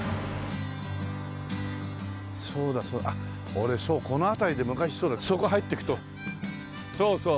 そうだそう俺そうこの辺りで昔そうだそこ入っていくとそうそう。